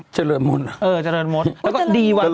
เจริญมดเออเจริญมด